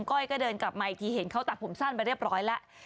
ก้อยก็เดินกลับมาอีกทีเห็นเขาตัดผมสั้นไปเรียบร้อยแล้ว